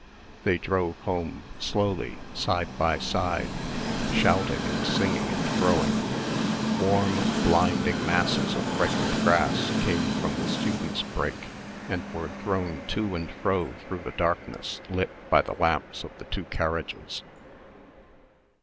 They drove home, slowly, side by side, shouting and singing and throwing. Warm, blinding masses of fragrant grass came from the students' brake and were thrown to and fro through the darkness lit by the lamps of the two carriages.